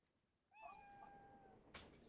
格罗斯迪本是德国萨克森州的一个市镇。